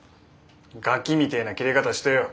ガキみてえなキレ方してよ。